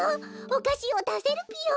おかしをだせるぴよ。